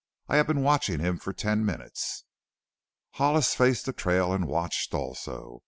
I have been watching him for ten minutes." Hollis faced the trail and watched also.